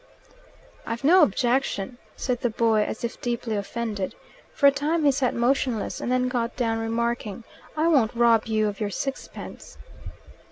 "I've no objection," said the boy, as if deeply offended. For a time he sat motionless, and then got down, remarking, "I won't rob you of your sixpence."